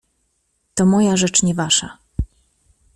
"To moja rzecz, nie wasza."